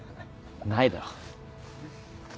ないだろ。